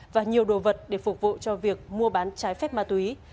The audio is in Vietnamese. và nhiều đồ vật để phục vụ cho việc mua bán trái phép ma túy